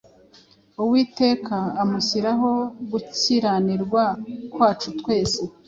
Uwiteka amushyiraho gukiranirwa kwacu twese.